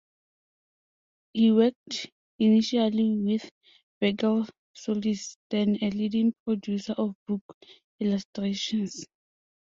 He worked initially with Virgil Solis, then a leading producer of book illustrations.